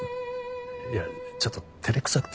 いやちょっとてれくさくて。